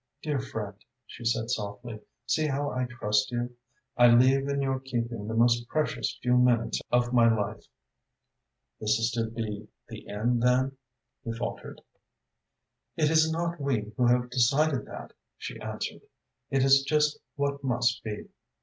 "Dear friend," she said softly, "see how I trust you. I leave in your keeping the most precious few minutes of my life." "This is to be the end, then?" he faltered. "It is not we who have decided that," she answered. "It is just what must be.